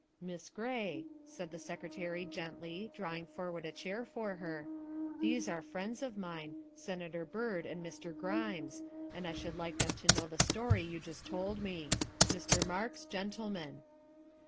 " Miss Gray," said the Secretary gently, drawing forward a chair for her, " these are friends of mine, THE SECRETARY OF STATE 333 Senator Byrd and Mr. Grimes, and I should like them to know the story you just told me. Mr. Marks, gentle men.